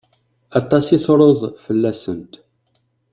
Aṭas i truḍ fell-asent.